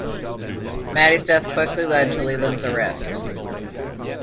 Maddy's death quickly leads to Leland's arrest.